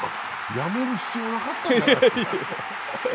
辞める必要なかったんじゃない？